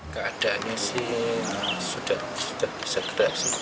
keadaannya sih sudah bisa gerak sih